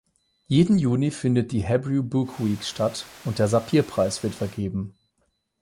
Jeden Juni findet die "Hebrew Book Week" statt und der "Sapir-Preis" wird vergeben.